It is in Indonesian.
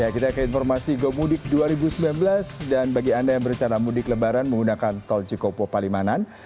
kita ke informasi gomudik dua ribu sembilan belas dan bagi anda yang berencana mudik lebaran menggunakan tol cikopo palimanan